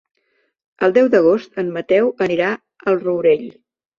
El deu d'agost en Mateu anirà al Rourell.